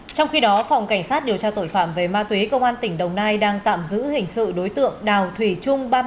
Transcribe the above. trong khi đó phòng cảnh sát điều tra tội phạm về ma túy công an tỉnh đồng nai đang tạm giữ hình sự đối tượng đào thủy trung